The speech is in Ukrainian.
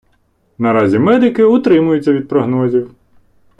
Наразі медики утримуються від прогнозів.